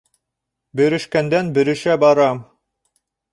Бөрөшкәндән-бөрөшә барам.